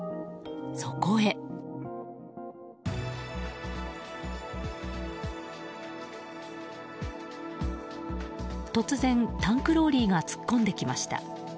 そこへ、突然タンクローリーが突っ込んできました。